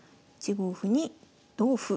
１五歩に同歩。